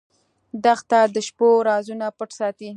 دښته د شپو رازونه پټ ساتي.